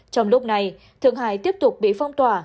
trong lúc này thượng hải tiếp tục bị phong tỏa